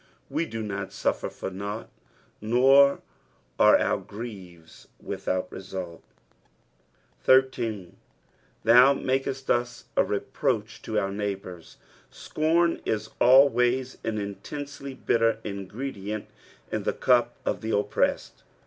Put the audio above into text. We do not suffer for nought, nor are oar griefs without result. 13. "Thoa makett vi a reproacK to our neighbor:" Scorn is always an intensely bitter ingredient in the cup of the oppressed.